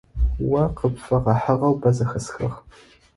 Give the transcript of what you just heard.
О къыпфэгъэхьыгъэу бэ зэхэсхыгъ.